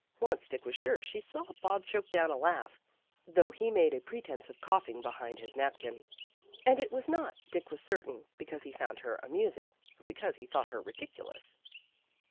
Once, Dick was sure, he saw Bob choke down a laugh, though he made a pretence THE CURE 227 of coughing behind his napkin. And it was not, Dick was certain, because he found her amus ing, but because he thought her ridiculous.